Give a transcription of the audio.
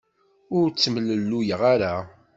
Ur ttemlelluyeɣ ara.